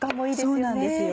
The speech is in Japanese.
そうなんです。